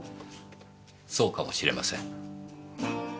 そうかもしれません。